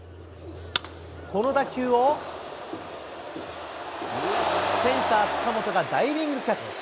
この打球を、センター、近本がダイビングキャッチ。